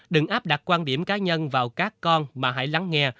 đừng áp đặt quan điểm cá nhân vào các con mà hãy lắng nghe